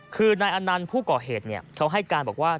คือนายอนันต์ผู้ก่อเหตุเขาให้การบอกว่า